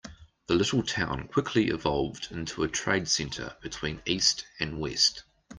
The little town quickly evolved into a trade center between east and west.